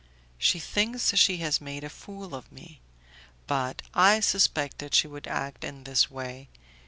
"She thinks she has made a fool of me; but I suspected she would act in this way.